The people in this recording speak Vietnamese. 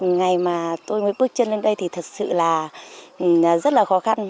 ngày mà tôi mới bước chân lên đây thì thật sự là rất là khó khăn